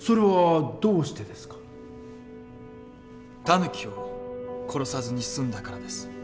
タヌキを殺さずに済んだからです。